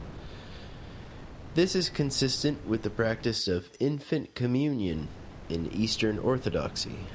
This is consistent with the practice of Infant Communion in Eastern Orthodoxy.